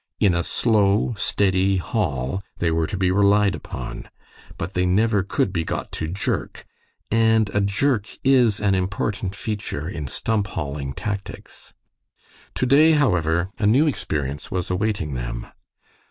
In a slow, steady haul they were to be relied upon; but they never could be got to jerk, and a jerk is an important feature in stump hauling tactics. To day, however, a new experience was awaiting them.